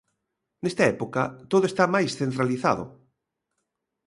Nesta época todo está máis centralizado.